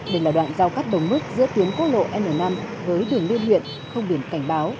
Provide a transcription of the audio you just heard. đây là đoạn giao cắt đồng mức giữa tuyến quốc lộ n năm với đường liên huyện